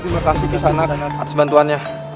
terima kasih kesanak atas bantuannya